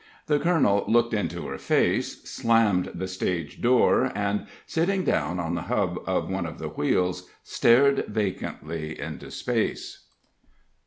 The colonel looked into her face, slammed the stage door, and, sitting down on the hub of one of the wheels, stared vacantly into space.